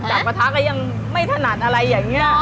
กระทะก็ยังไม่ถนัดอะไรอย่างนี้